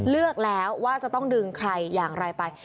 เลือกแล้วว่าจะต้องดึงใครอย่างไรไป